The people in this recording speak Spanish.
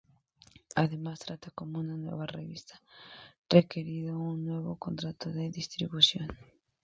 Además, tratada como una nueva revista requirió un nuevo contrato de distribución.